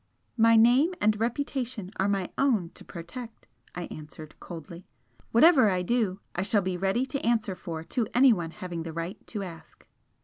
"My name and reputation are my own to protect," I answered, coldly "Whatever I do I shall be ready to answer for to anyone having the right to ask."